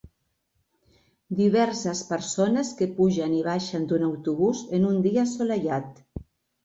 Diverses persones que pugen i baixen d'un autobús en un dia assolellat.